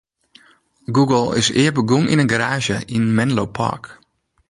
Google is ea begûn yn in garaazje yn Menlo Park.